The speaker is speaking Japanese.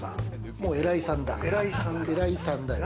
もう、お偉いさんだ。